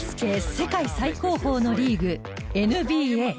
世界最高峰のリーグＮＢＡ。